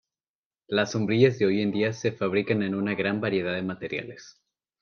Las sombrillas de hoy en día se fabrican en una gran variedad de materiales.